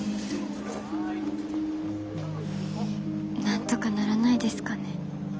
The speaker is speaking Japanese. なんとかならないですかね？